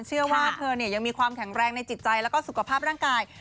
เชื่อว่าเธอยังมีความแข็งแรงในจิตใจแล้วก็สุขภาพร่างกาย